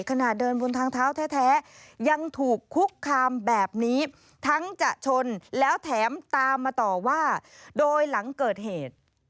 ขณะเดินบนทางเท้าแท้ยังถูกคุกคามแบบนี้ทั้งจะชนแล้วแถมตามมาต่อว่าโดยหลังเกิดเหตุ